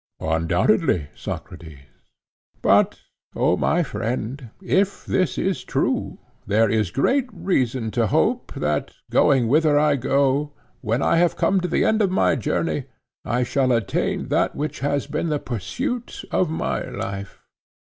Undoubtedly, Socrates. But, O my friend, if this is true, there is great reason to hope that, going whither I go, when I have come to the end of my journey, I shall attain that which has been the pursuit of my life.